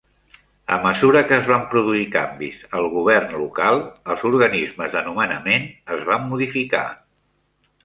A mesura que es van produir canvis al govern local, els organismes de nomenament es van modificar.